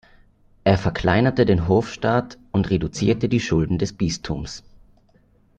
Er verkleinerte den Hofstaat und reduzierte die Schulden des Bistums.